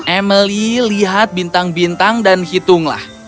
emily lihat bintang bintang dan hitunglah